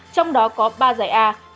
trong đó có ba giải a